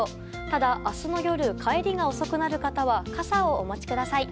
ただ、明日の夜帰りが遅くなる方は傘をお持ちください。